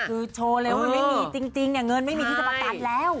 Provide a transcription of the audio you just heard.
คือโชว์เลยว่ามันไม่มีจริงเนี่ยเงินไม่มีที่จะประกันแล้ว